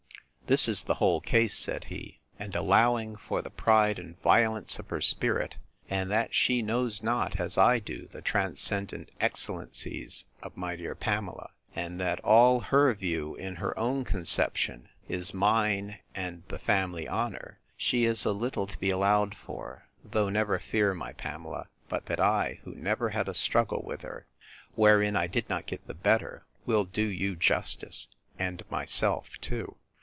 This is the whole case, said he; and, allowing for the pride and violence of her spirit, and that she knows not, as I do, the transcendent excellencies of my dear Pamela, and that all her view, in her own conception, is mine and the family honour, she is a little to be allowed for: Though, never fear, my Pamela, but that I, who never had a struggle with her, wherein I did not get the better, will do you justice, and myself too.